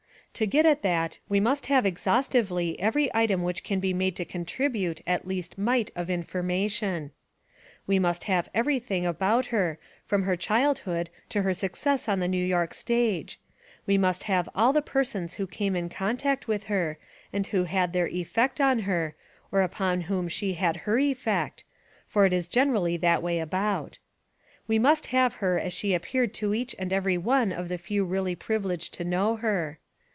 To get at that we must have ex haustively every item which can be made to contribute the least mite cf information. We must have every WILLA SIBERT GATHER 265 thing about her from her girlhood to her success on the New York stage, we must have all the persons who came in contact with her and who had their effect on her, or upon whom she had her effect, for it was gen erally theft way about! We must have her as she ap peared to each and every one of the few really privi leged to know her.